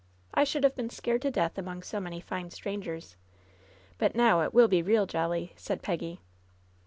I should have been scared to death among so many fine strangers. But now it will be real jolly !" said Peggy.